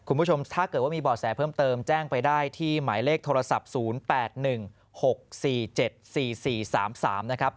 คุณผู้ชมถ้าเกิดว่ามีบ่อแสเพิ่มเติมแจ้งไปได้ที่หมายเลขโทรศัพท์๐๘๑๖๔๗๔๔๓๓นะครับ